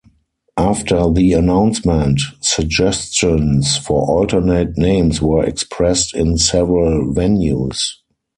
After the announcement, suggestions for alternate names were expressed in several venues.